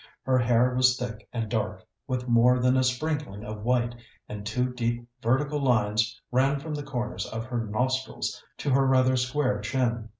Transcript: Her hair was thick and dark, with more than a sprinkling of white, and two deep vertical lines ran from the corners of her nostrils to her rather square chin.